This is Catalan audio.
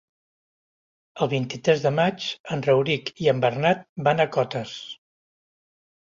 El vint-i-tres de maig en Rauric i en Bernat van a Cotes.